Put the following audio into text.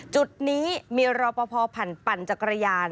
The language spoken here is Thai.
จุดนี้มีรอปภผ่านปั่นจักรยาน